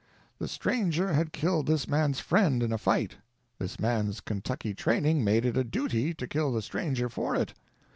The stranger had killed this man's friend in a fight, this man's Kentucky training made it a duty to kill the stranger for it.